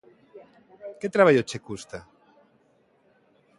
¿Que traballo che custa?